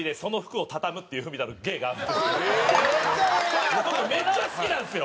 それが僕めっちゃ好きなんですよ。